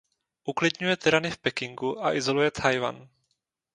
Uklidňuje tyrany v Pekingu a izoluje Tchaj-wan.